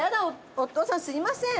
お父さんすいません。